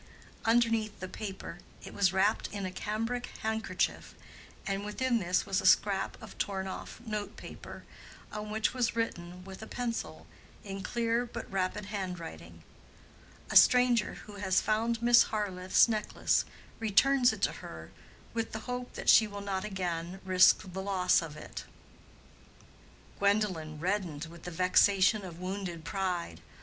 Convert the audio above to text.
Underneath the paper it was wrapped in a cambric handkerchief, and within this was a scrap of torn off note paper, on which was written with a pencil, in clear but rapid handwriting—"_A stranger who has found Miss Harleth's necklace returns it to her with the hope that she will not again risk the loss of it._" Gwendolen reddened with the vexation of wounded pride.